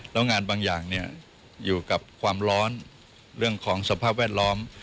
แล้วงานบางอย่างเนี่ยอยู่กับความร้อนเรื่องของสภาพแวดล้อม